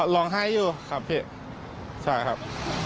ร้องไห้อยู่ครับพี่ใช่ครับ